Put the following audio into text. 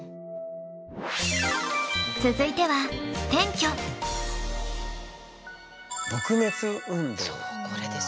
続いてはそうこれです。